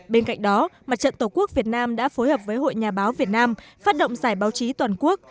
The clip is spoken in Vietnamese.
bên cạnh đó mặt trận tổ quốc việt nam đã phối hợp với hội nhà báo việt nam phát động giải báo chí toàn quốc